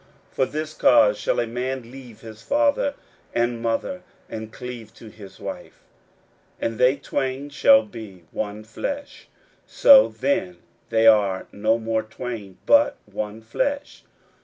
41:010:007 For this cause shall a man leave his father and mother, and cleave to his wife; 41:010:008 And they twain shall be one flesh: so then they are no more twain, but one flesh.